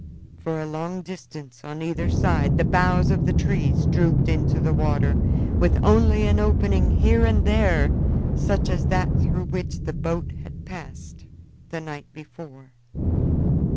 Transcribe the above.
For a long distance on either side the boughs of the trees drooped into the water, with only an opening here and there such as that through which the boat had passed the night before.